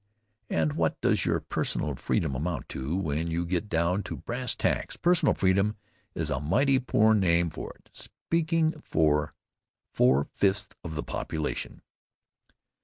"And what does our personal freedom amount to? When you get down to brass tacks, personal freedom is a mighty poor name for it, speaking for four fifths of the population."